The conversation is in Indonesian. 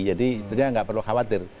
jadi itu dia nggak perlu khawatir